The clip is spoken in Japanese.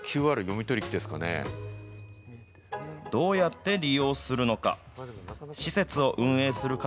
どうやって利用するのか。